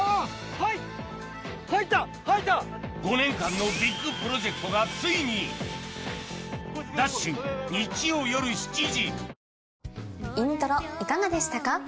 ５年間のビッグプロジェクトがついに『イントロ』いかがでしたか？